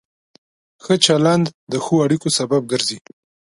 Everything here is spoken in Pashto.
ښه چلند د ښو اړیکو سبب ګرځي.